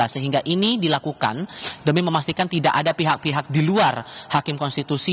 sehingga ini dilakukan demi memastikan tidak ada pihak pihak di luar hakim konstitusi